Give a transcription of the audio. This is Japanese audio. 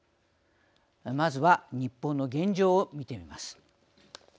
まずは日本の現状を見てみます。